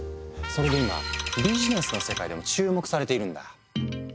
それで今ビジネスの世界でも注目されているんだ。